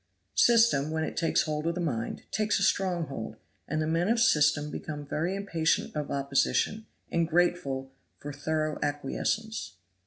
System, when it takes a hold of the mind, takes a strong hold, and the men of system became very impatient of opposition, and grateful for thorough acquiescence.